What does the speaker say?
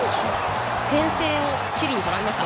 先制をチリにとられました。